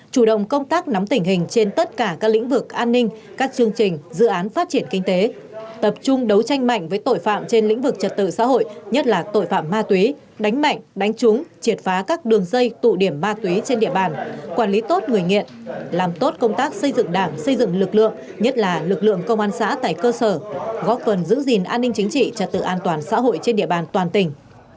chủ động công tác nắm tình hình trên tất cả các lĩnh vực an ninh các chương trình dự án phát triển kinh tế tập trung đấu tranh mạnh với tội phạm trên lĩnh vực trật tự xã hội nhất là tội phạm ma túy đánh mạnh đánh trúng triệt phá các đường dây tụ điểm ma túy trên địa bàn quản lý tốt người nghiện làm tốt công tác xây dựng đảng xây dựng lực lượng nhất là lực lượng công an xã tại cơ sở góp phần giữ gìn an ninh chính trị trật tự an toàn xã hội trên địa bàn toàn tỉnh